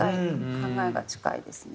考えが近いですね。